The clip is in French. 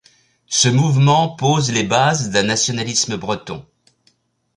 Ce mouvement pose les bases d'un nationalisme breton.